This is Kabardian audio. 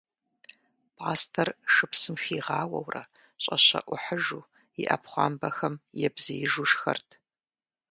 Пӏастэр шыпсым хигъауэурэ, щӏэщэӏухьыжу, и ӏэпхъуамбэхэм ебзеижу шхэрт.